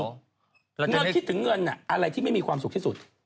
เงินคิดถึงเงินอะไรที่ไม่มีความสุขที่สุด